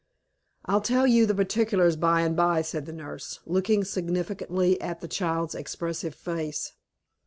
"I'll tell you the particulars by and by," said the nurse, looking significantly at the child's expressive face.